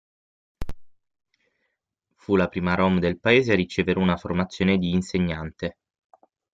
Fu la prima rom del paese a ricevere una formazione di insegnante.